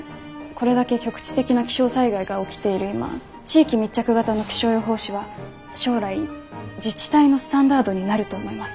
これだけ局地的な気象災害が起きている今地域密着型の気象予報士は将来自治体のスタンダードになると思います。